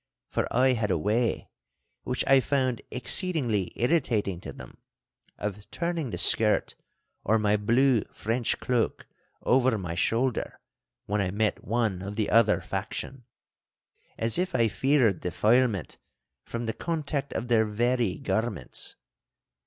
For I had a way, which I found exceedingly irritating to them, of turning the skirt or my blue French cloak over my shoulder when I met one of the other faction, as if I feared defilement from the contact of their very garments.